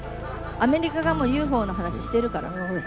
アメリカがもうＵＦＯの話ししてるから。